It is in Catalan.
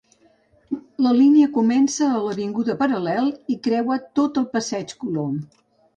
La línia comença a l'avinguda Paral·lel i creua tot el passeig Colom.